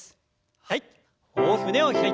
はい。